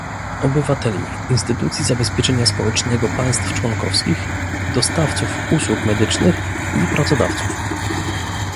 obywateli, instytucji zabezpieczenia społecznego państw członkowskich, dostawców usług medycznych i pracodawców